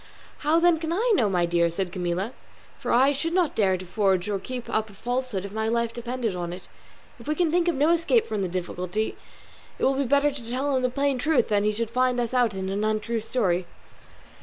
"How then can I know, my dear?" said Camilla, "for I should not dare to forge or keep up a falsehood if my life depended on it. If we can think of no escape from this difficulty, it will be better to tell him the plain truth than that he should find us out in an untrue story."